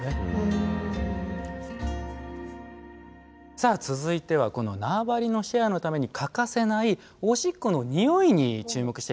さあ続いてはこの縄張りのシェアのために欠かせないオシッコのニオイに注目していきたいと思います。